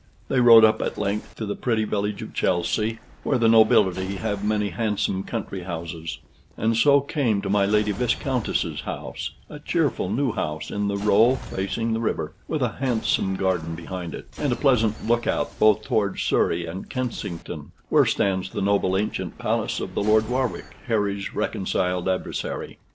They rowed up at length to the pretty village of Chelsey, where the nobility have many handsome country houses; and so came to my Lady Viscountess's house, a cheerful new house in the row facing the river, with a handsome garden behind it, and a pleasant look out both towards Surrey and Kensington, where stands the noble ancient palace of the Lord Warwick, Harry's reconciled adversary.